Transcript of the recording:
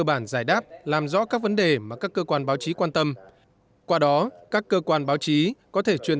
bản giải đáp làm rõ các vấn đề mà các cơ quan báo chí quan tâm qua đó các cơ quan báo chí có thể truyền